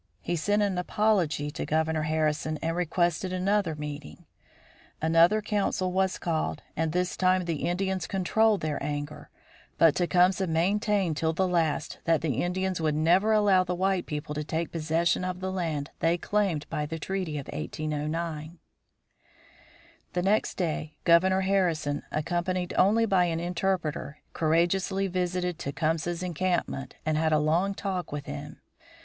He sent an apology to Governor Harrison and requested another meeting. Another council was called and this time the Indians controlled their anger; but Tecumseh maintained till the last that the Indians would never allow the white people to take possession of the land they claimed by the treaty of 1809. The next day Governor Harrison, accompanied only by an interpreter, courageously visited Tecumseh's encampment and had a long talk with him.